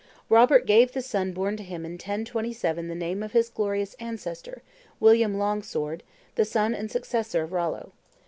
Robert gave the son born to him in 1027 the name of his glorious ancestor, William Longsword, the son and successor of Rollo.